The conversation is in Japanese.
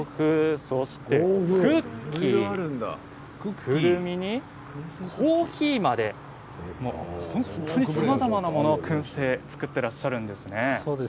それからクッキー、コーヒーまで本当にさまざまなものをくん製で作っていらっしゃいます。